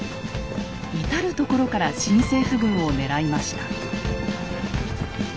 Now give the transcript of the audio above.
至る所から新政府軍を狙いました。